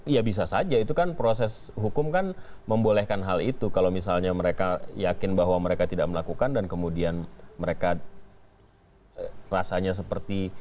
ya bisa saja itu kan proses hukum kan membolehkan hal itu kalau misalnya mereka yakin bahwa mereka tidak melakukan dan kemudian mereka rasanya seperti